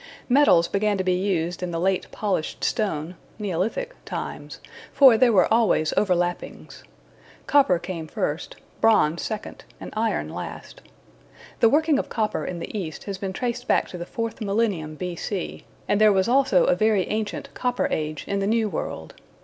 Metals began to be used in the late Polished Stone (Neolithic) times, for there were always overlappings. Copper came first, Bronze second, and Iron last. The working of copper in the East has been traced back to the fourth millennium B.C., and there was also a very ancient Copper Age in the New World.